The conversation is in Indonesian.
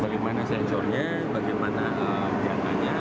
bagaimana sensornya bagaimana pihaknya